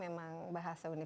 pernah ga ngarasin lagi